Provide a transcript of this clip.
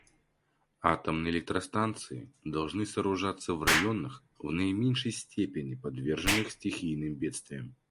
Атомные электростанции должны сооружаться в районах, в наименьшей степени подверженных стихийным бедствиям.